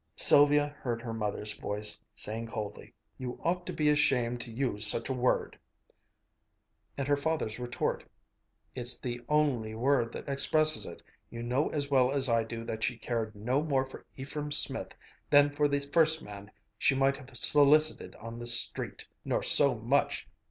Sylvia heard her mother's voice saying coldly, "You ought to be ashamed to use such a word!" and her father retort, "It's the only word that expresses it! You know as well as I do that she cared no more for Ephraim Smith than for the first man she might have solicited on the street nor so much!